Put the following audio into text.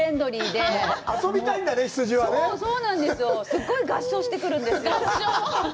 すごい合唱してくるんですよ。